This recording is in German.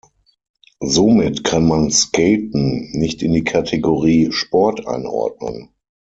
Somit kann man „Skaten“ nicht in die Kategorie Sport einordnen.